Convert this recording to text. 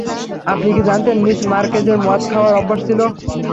আপনি কী জানতেন মিস মার্কেজের মদ খাওয়ার অভ্যাস ছিল?